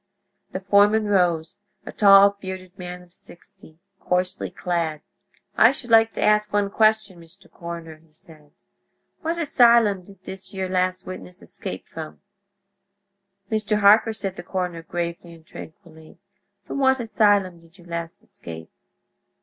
The foreman rose—a tall, bearded man of sixty, coarsely clad. "I should like to ask one question, Mr. Coroner," he said. "What asylum did this yer last witness escape from?" "Mr. Harker," said the coroner, gravely and tranquilly, "from what asylum did you last escape?"